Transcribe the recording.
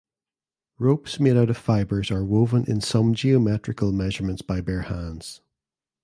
Ropes made out of fibers are woven in some geometrical measurements by bare hands.